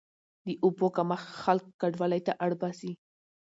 د اوبو کمښت خلک کډوالۍ ته اړ باسي.